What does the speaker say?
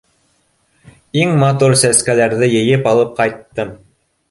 Иң матур сәскәләрҙе йыйып алып ҡайттым.